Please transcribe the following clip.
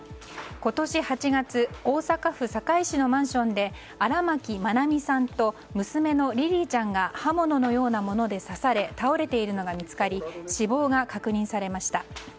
今年８月大阪府堺市のマンションで荒牧愛美さんと娘のリリィちゃんが刃物のようなもので刺され倒れているのが見つかり死亡が確認されました。